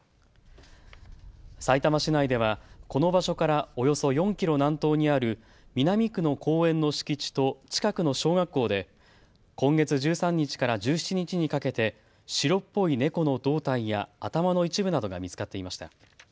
さいたま市内ではこの場所からおよそ４キロ南東にある南区の公園の敷地と近くの小学校で今月１３日から１７日にかけて白っぽい猫の胴体や頭の一部などが見つかっていました。